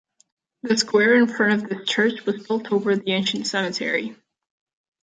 The square in front of this church was built over the ancient cemetery.